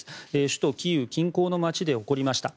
首都キーウ近郊の街で起こりました。